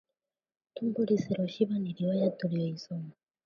Tumbo lisiloshiba ni riwaya tuliyoisoma